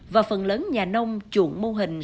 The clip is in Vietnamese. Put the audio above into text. và phần lớn nhà nông chuộng mô hình